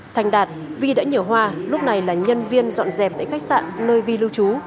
thành đạt vi đã nhờ hoa lúc này là nhân viên dọn dẹp tại khách sạn nơi vi lưu trú